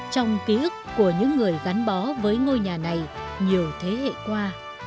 trong ký ức của những người gắn bó với ngôi nhà này nhiều thế hệ qua